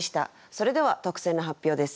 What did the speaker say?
それでは特選の発表です。